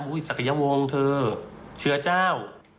อุ๊ยศักยาวงเธอเชื้าเจ้า